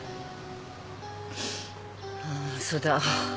ああそうだ。